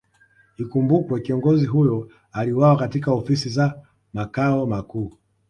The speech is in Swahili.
Ikumbukwe kiongozi huyo aliuwawa katika Ofisi za Makao Makuu